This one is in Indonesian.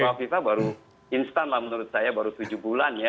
kalau kita baru instan lah menurut saya baru tujuh bulan ya